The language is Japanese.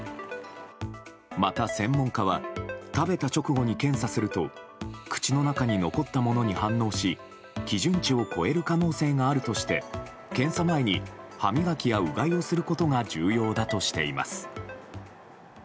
また、専門家は食べた直後に検査すると口の中に残ったものに反応し基準値を超える可能性があるとして検査前に、歯磨きやうがいをすることが重要だとしています。